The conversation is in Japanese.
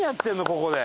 ここで。